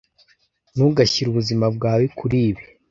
Ntugashyire ubuzima bwawe kuri ibi.